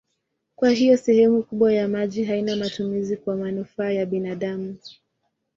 Kwa hiyo sehemu kubwa ya maji haina matumizi kwa manufaa ya binadamu.